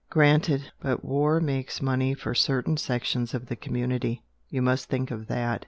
"Granted! but war makes money for certain sections of the community, you must think of that!"